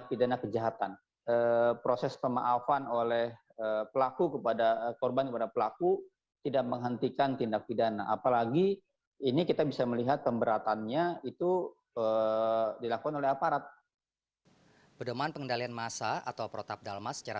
kami belum menerima penyelesaian yang jelas